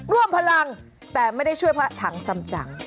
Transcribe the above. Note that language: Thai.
ร่วมพลังแต่ไม่ได้ช่วยพระถังสำจัง